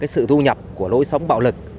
sự thu nhập của lối sống bạo lực